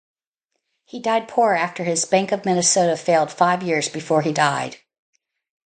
He died poor after his Bank of Minnesota failed five years before he died.